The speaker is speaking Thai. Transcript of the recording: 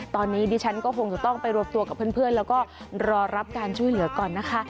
ตอนนี้ดิฉันก็คงจะต้องไปรวมตัวกับเพื่อนแล้วก็รอรับการช่วยเหลือก่อนนะคะ